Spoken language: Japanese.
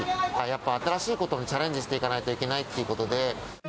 やっぱ、新しいことにチャレンジしていかないといけないってことで。